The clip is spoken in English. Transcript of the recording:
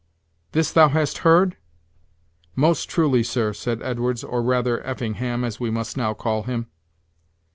This thou hast heard?" "Most truly, sir," said Edwards, or rather Effingham as we must now call him.